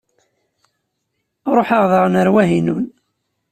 Ruḥeɣ daɣen ɣer Wahinun.